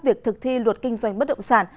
việc thực thi luật kinh doanh bất động sản